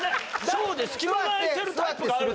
小で隙間が開いてるタイプがある。